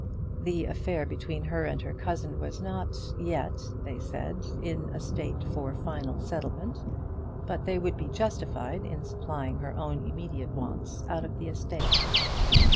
The affair between her and her cousin was not yet, they said, in a state for final settlement, but they would be justified in supplying her own immediate wants out of the estate.